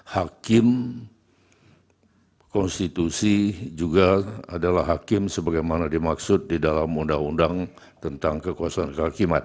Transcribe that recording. hakim konstitusi juga adalah hakim sebagaimana dimaksud di dalam undang undang tentang kekuasaan kehakiman